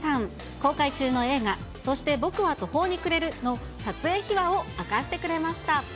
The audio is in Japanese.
公開中の映画、そして僕は途方に暮れるの撮影秘話を明かしてくれました。